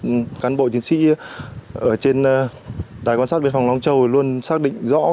khi đón tết cán bộ chiến sĩ ở trên đài quan sát biên phòng long châu luôn xác định rõ